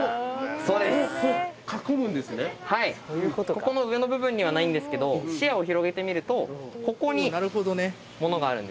ここの上の部分にはないんですけど視野を広げてみるとここに「もの」があるんですよね。